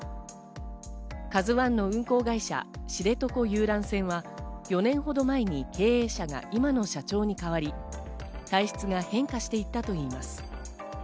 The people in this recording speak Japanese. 「ＫＡＺＵ１」の運航会社、知床遊覧船は４年ほど前に経営者が今の社長に代わり、体質が変化していったといいます。